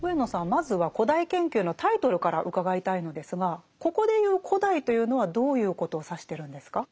まずは「古代研究」のタイトルから伺いたいのですがここで言う「古代」というのはどういうことを指してるんですか？